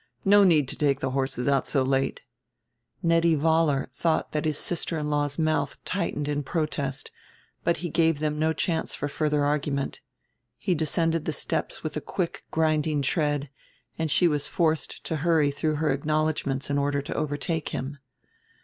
"No need to take the horses out so late." Nettie Vollar thought that his sister in law's mouth tightened in protest, but he gave them no chance for further argument. He descended the steps with a quick grinding tread, and she was forced to hurry through her acknowledgments in order to overtake him.